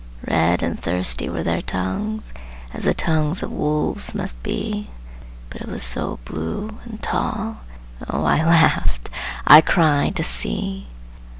Red and thirsty were their tongues, As the tongues of wolves must be, But it was so blue and tall Oh, I laughed, I cried, to see!